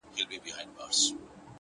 • خو کارګه مي پر بازار نه دی لیدلی ,